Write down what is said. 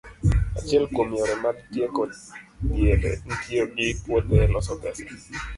Achiel kuom yore mag tieko dhier en tiyo gi puothe e loso pesa.